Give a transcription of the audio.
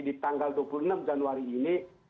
di tanggal dua puluh enam januari ini